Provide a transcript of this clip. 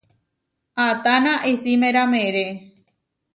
¿Atána isímera meeré?